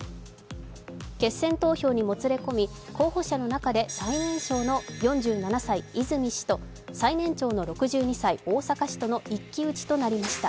決選投票にもつれ込み、候補者の中で最年少の４７歳、泉氏と最年長の６２歳逢坂氏の一騎打ちとなりました。